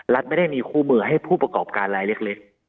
รัฐไม่ได้มีคู่มือให้ผู้ประกอบการรายเล็ก